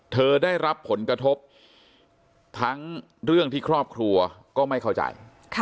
ได้รับผลกระทบทั้งเรื่องที่ครอบครัวก็ไม่เข้าใจ